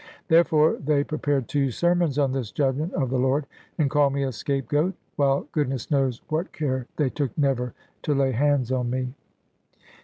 Therefore they prepared two sermons on this judgment of the Lord, and called me a scapegoat; while goodness knows what care they took never to lay hands on me.